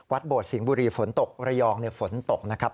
โดดสิงห์บุรีฝนตกระยองฝนตกนะครับ